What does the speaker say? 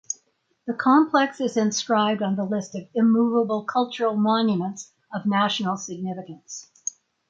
The complex is inscribed on the list of Immovable Cultural Monuments of National Significance.